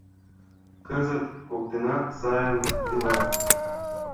Кызыт коктынат сайын илат.